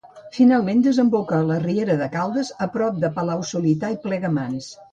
Finalment desemboca a la riera de Caldes a prop de Palau-solità i Plegamans.